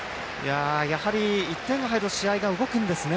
やはり１点が入ると試合が動くんですね。